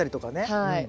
はい。